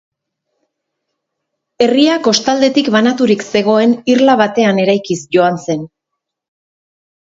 Herria kostaldetik banaturik zegoen irla batean eraikiz joan zen.